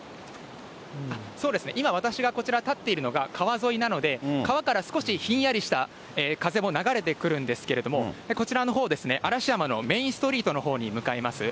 そうですね、今、私がこちら立っているのが、川沿いなので、川から少しひんやりした風も流れてくるんですけれども、こちらのほう、嵐山のメインストリートのほうに向かいます。